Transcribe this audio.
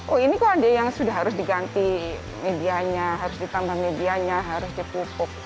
oh ini kok ada yang sudah harus diganti medianya harus ditambah medianya harus dipupuk